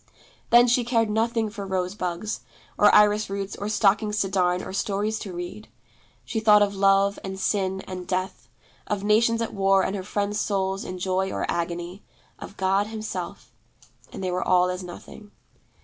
Then she cared nothing for rose bugs, or iris roots, or stockings to darn, or stories to read. She thought of Love, and Sin, and Death; of nations at war and her friends' souls in joy or agony, of God Himself, and they were all as nothing.